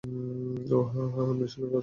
অহ, হ্যাঁ, হ্যাঁ, মিশনের কাগজপত্র।